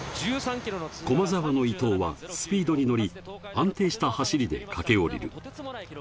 駒澤の伊藤はスピードに乗り、安定した走りで駆け下りる。